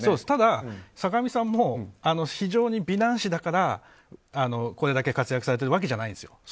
ただ、坂上さんも非常に美男子だからこれだけ活躍されてるわけじゃないんですよ。